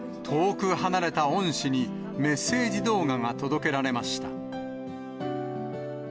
遠く離れた恩師にメッセージ動画が届けられました。